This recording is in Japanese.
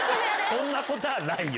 そんなことはないよ！